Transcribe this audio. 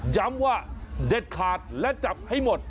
ย้ำว่าเด็ดขาดและจับให้หมด